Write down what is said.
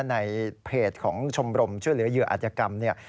ในเพจของชมรมช่วยเหลือเหยื่ออาจยกรรมเนี่ย